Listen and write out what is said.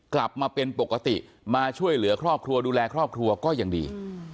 กลับมาเป็นปกติมาช่วยเหลือครอบครัวดูแลครอบครัวก็ยังดี